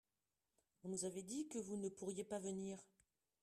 on nous avait dit que vous ne pourriez pas venir.